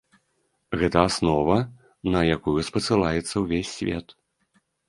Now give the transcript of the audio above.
Гэта аснова, на якую спасылаецца ўвесь свет.